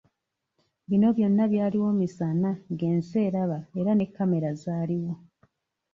Bino byonna byaliwo misana ng'ensi eraba era ne kkamera zaaliwo.